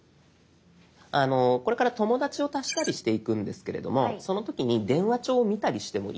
これから友だちを足したりしていくんですけれどもその時に「電話帳を見たりしてもいいですか？」